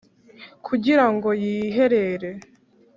kugira ngo yiherere